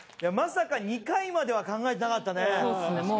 まさか２回までは考えてなかったね。